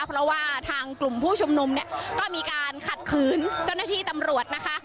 เพราะว่าทางกลุ่มผู้ชุมนุมเนี่ยก็มีการขัดขืนเจ้าหน้าที่ตำรวจนะคะ